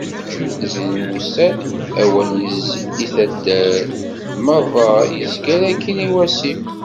Zrin wussan awal yezzi-d i taddar, merra. Yezger akin i wasif.